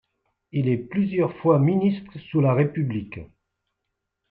Il est plusieurs fois ministre sous la République.